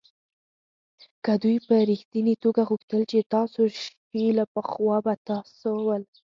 که دوی په ریښتني توگه غوښتل چې ستاسو شي له پخوا به ستاسو ول.